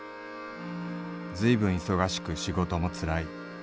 ずいぶん忙しく仕事もつらい。